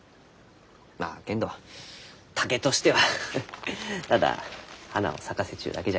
まあけんど竹としてはただ花を咲かせちゅうだけじゃけんど。